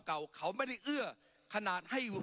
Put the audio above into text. ปรับไปเท่าไหร่ทราบไหมครับ